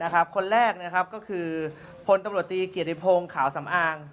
คนแรกก็คือพลตำรวจตีเกียรติพงศ์ขาวสำอาง